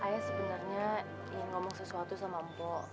ae sebenernya ingin ngomong sesuatu sama mpok